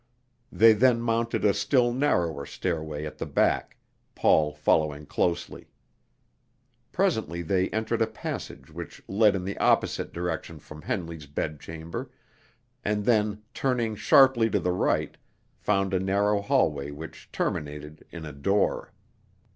They then mounted a still narrower stairway at the back, Paul following closely. Presently they entered a passage which led in the opposite direction from Henley's bedchamber, and then, turning sharply to the right, found a narrow hallway which terminated in a door.